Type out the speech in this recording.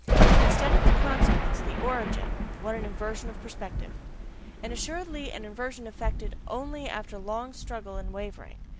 Instead of the consequences, the origin what an inversion of perspective! And assuredly an inversion effected only after long struggle and wavering!